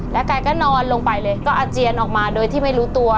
แกก็นอนลงไปเลยก็อาเจียนออกมาโดยที่ไม่รู้ตัว